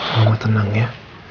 mama tenang ya